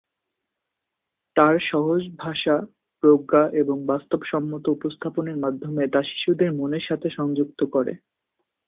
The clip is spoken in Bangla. তার সহজ ভাষা, প্রজ্ঞা এবং বাস্তবসম্মত উপস্থাপনের মাধ্যমে তা শিশুদের মনের সাথে সংযুক্ত করে।